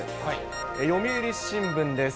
読売新聞です。